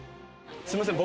すみません